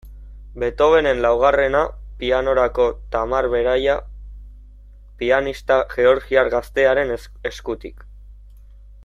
Beethovenen laugarrena, pianorako, Tamar Beraia pianista georgiar gaztearen eskutik.